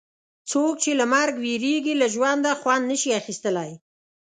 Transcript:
څوک چې له مرګ وېرېږي له ژونده خوند نه شي اخیستلای.